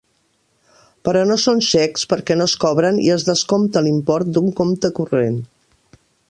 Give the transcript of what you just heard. Però no són xecs perquè no es cobren i es descompta l'import d'un compte corrent.